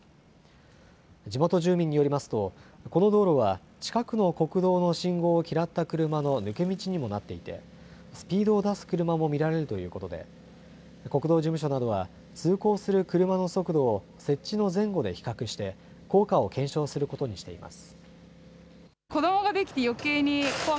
地元住民によりますと、この道路は近くの国道の信号を嫌った車の抜け道にもなっていて、スピードを出す車も見られるということで、国道事務所などは、通行する車の速度を設置の前後で比較して、効果を検証することにしています。